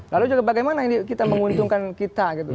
lalu juga bagaimana ini kita menguntungkan kita gitu